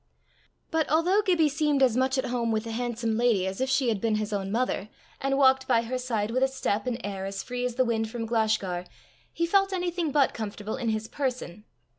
But although Gibbie seemed as much at home with the handsome lady as if she had been his own mother, and walked by her side with a step and air as free as the wind from Glashgar, he felt anything but comfortable in his person.